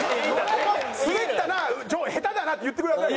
「スベったな下手だな」って言ってくださいよ！